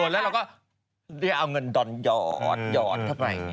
แล้วเอาเงินยอดเข้าไป